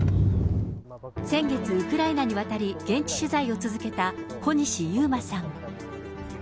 先月、ウクライナに渡り、現地取材を続けた小西遊馬さん。